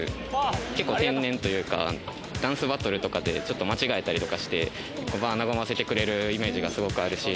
結構天然というか、ダンスバトルとかで、ちょっと間違えたりとかして、結構、場を和ませてくれるイメージがすごくあるし。